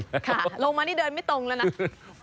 ค่ะลงมานี่เดินไม่ตรงแล้วนะ